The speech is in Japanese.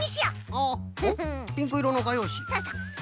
ピンクいろのがようし。